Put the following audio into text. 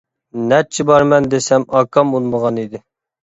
نەچچە بارىمەن دېسەم ئاكام ئۇنىمىغان ئىدى.